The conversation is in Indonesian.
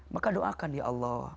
maka doakan ya allah